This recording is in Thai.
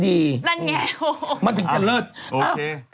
นั่นไงโอ้โฮอันเลิศโอเคมันถึงจะ